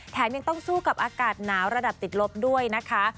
ยังต้องสู้กับอากาศหนาวระดับติดลบด้วยนะคะ